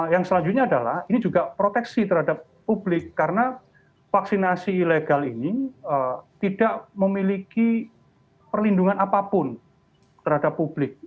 yang selanjutnya adalah ini juga proteksi terhadap publik karena vaksinasi ilegal ini tidak memiliki perlindungan apapun terhadap publik